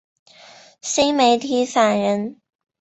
新媒体法人